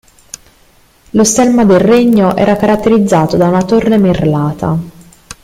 Lo stemma del regno era caratterizzato da una "torre merlata".